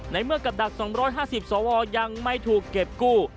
เมื่อกับดัก๒๕๐สวยังไม่ถูกเก็บกู้